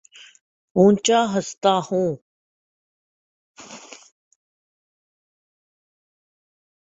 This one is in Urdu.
اونچا ہنستا ہوں